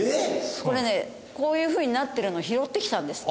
これねこういうふうになってるのを拾ってきたんですって。